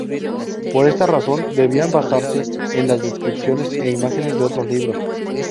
Por esta razón debían basarse en las descripciones e imágenes de otros libros.